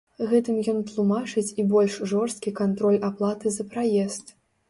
Гэтым ён тлумачыць і больш жорсткі кантроль аплаты за праезд.